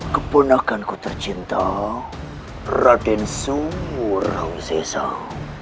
keponakan ku tercinta raden sungur rauh zesau